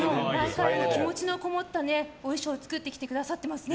気持ちのこもったお衣装を作ってきてくださってますね。